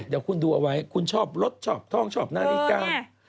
เดี๋ยวคุณดูเอาไว้คุณชอบรถชอบท่องชอบนาฬิกา